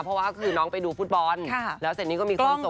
เพราะว่าคือน้องไปดูฟุตบอลแล้วเสร็จนี้ก็มีคนส่ง